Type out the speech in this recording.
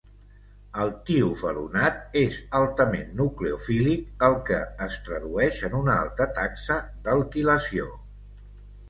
El tiofenolat és altament nucleofílic, el que es tradueix en una alta taxa d'alquilació.